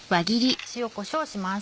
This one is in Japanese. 塩こしょうをします。